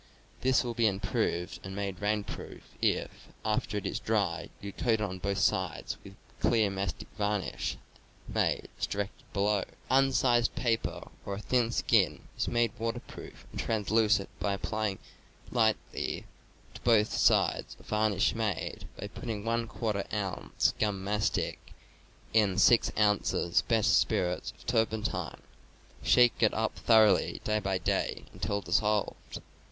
This will be improved and made rain proof if, after it is dry, you coat it on both sides with a clear mastic varnish, made as directed below. Unsized paper or a thin skin is made waterproof and translucent by applying lightly to both sides a varnish made by putting ^ ounce gum mastic in 6 ounces best spirits of turpentine, and shaking it up thoroughly, day by day, until dissolved.